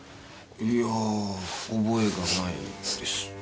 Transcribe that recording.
いやぁ覚えがないです。